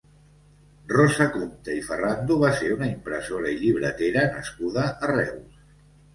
Rosa Compte i Ferrando va ser una impressora i llibretera nascuda a Reus.